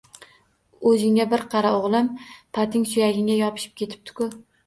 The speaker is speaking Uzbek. O‘zingga bir qara, o‘g‘lim — pating suyagingga yopishib ketibdi-ku!